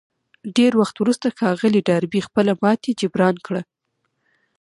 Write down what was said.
ډېر وخت وروسته ښاغلي ډاربي خپله ماتې جبران کړه.